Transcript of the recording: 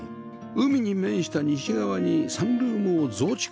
海に面した西側にサンルームを増築